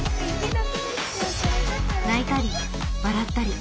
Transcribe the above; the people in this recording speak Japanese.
泣いたり笑ったり。